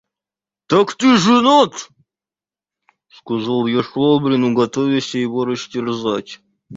«Так ты женат!» – сказал я Швабрину, готовяся его растерзать.